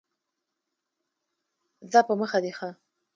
ځه په مخه دي ښه !